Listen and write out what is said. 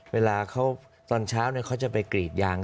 เวลาเขาตอนเช้าเขาจะไปกรีดยาง